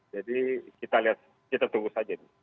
jadi kita lihat kita tunggu saja